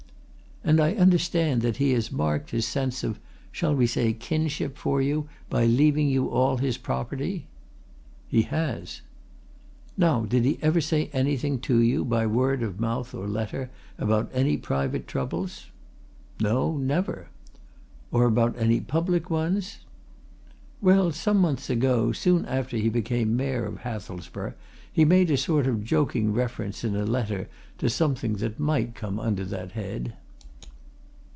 "And I understand that he has marked his sense of shall we say, kinship for you by leaving you all his property?" "He has!" "Now, did he ever say anything to you, by word of mouth or letter, about any private troubles?" "No, never!" "Or about any public ones?" "Well, some months ago, soon after he became Mayor of Hathelsborough, he made a sort of joking reference, in a letter, to something that might come under that head."